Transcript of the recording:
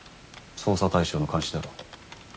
捜査対象の監視だろう。